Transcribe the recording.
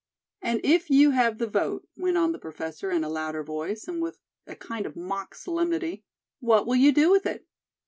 "And if you have the vote," went on the Professor in a louder voice, and with a kind of mock solemnity, "what will you do with it?"